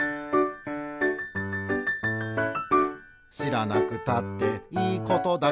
「しらなくたっていいことだけど」